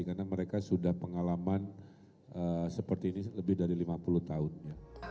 karena mereka sudah pengalaman seperti ini lebih dari lima puluh tahun